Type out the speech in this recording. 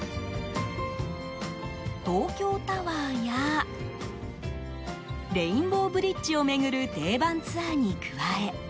東京タワーやレインボーブリッジを巡る定番ツアーに加え